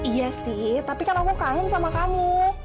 iya sih tapi kan aku kangen sama kamu